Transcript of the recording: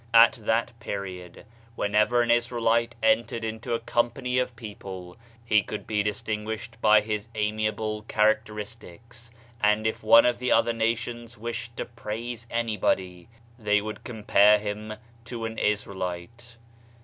At that period whenever an Israelite entered into a com pany of people, he could be distinguished by his amiable characteristics; and if one of the other nations wished to praise anybody, they would com pare him to an Israelite.